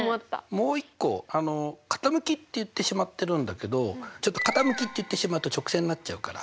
もう一個傾きって言ってしまってるんだけどちょっと傾きって言ってしまうと直線になっちゃうから。